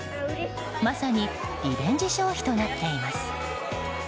まさにリベンジ消費となっています。